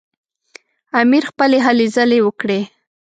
امیر خپلې هلې ځلې وکړې.